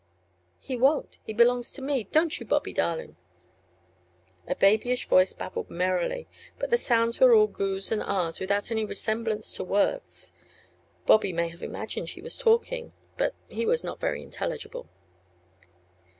"He won't. He belongs to me; don't you, Bobby darlin'?" A babyish voice babbled merrily, but the sounds were all "goos" and "ahs" without any resemblance to words. Bobby may have imagined he was talking, but he was not very intelligible.